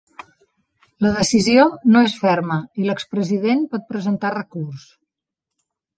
La decisió no és ferma i l’expresident pot presentar recurs.